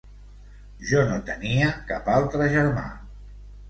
Jo no tenia cap altre germà!